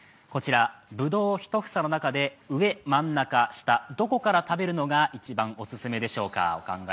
ぶどう１房の中で上、真ん中、下、どこから食べるのが一番オススメでしょうか。